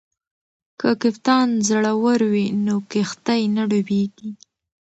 که کپتان زړور وي نو کښتۍ نه ډوبیږي.